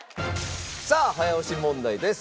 さあ早押し問題です。